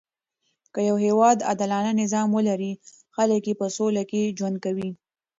که يو هیواد عادلانه نظام ولري؛ خلک ئې په سوله کښي ژوند کوي.